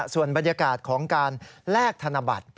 ส่วนบรรยากาศของการแลกธนบัตร